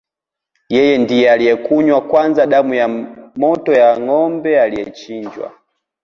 Yeye ndiye anayekunywa kwanza damu ya moto ya ngombe aliyechinjwa